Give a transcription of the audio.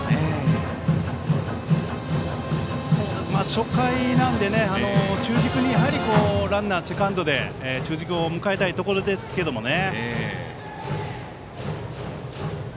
初回なのでランナー、セカンドで中軸を迎えたいところですけどね。